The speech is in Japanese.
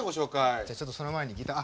じゃちょっとその前にギター。